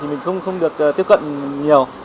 mình không được tiếp cận nhiều